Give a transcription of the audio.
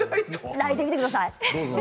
鳴いてみてください。